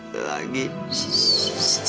kamu jangan putus asa dong